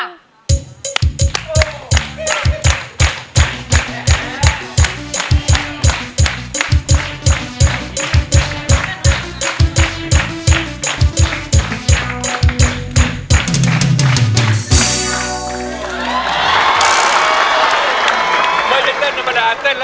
ไม่ใช่เต้นธรรมดาเต้นแล้วหน้าออกเลย